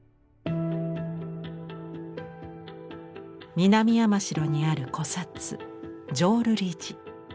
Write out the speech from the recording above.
南山城にある古刹浄瑠璃寺。